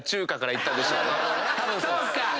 そうか！